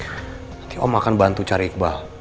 nanti om akan bantu cari iqbal